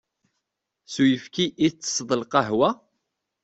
S uyefki i ttesseḍ lqahwa?